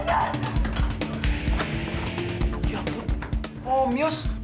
ya ampun om yos